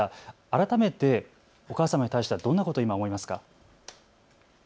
改めてお母様に対してはどんなことを今、思いますか？